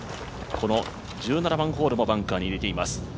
この１７番ホールもバンカーに入れています。